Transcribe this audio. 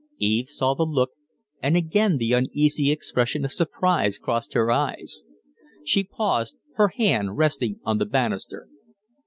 Eve saw the look and again the uneasy expression of surprise crossed her eyes. She paused, her hand resting on the banister.